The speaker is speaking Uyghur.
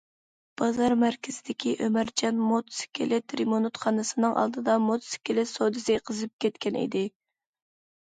بازار مەركىزىدىكى ئۆمەرجان موتوسىكلىت رېمونتخانىسىنىڭ ئالدىدا موتوسىكلىت سودىسى قىزىپ كەتكەنىدى.